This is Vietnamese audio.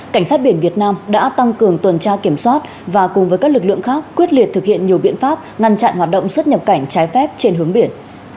cảnh sát biển việt nam đã tăng cường tuần tra kiểm soát và cùng với các lực lượng khác quyết liệt thực hiện nhiều biện pháp ngăn chặn hoạt động xuất nhập cảnh trái phép trên hướng biển